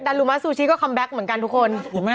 ลุมาซูชิก็คัมแบ็คเหมือนกันทุกคน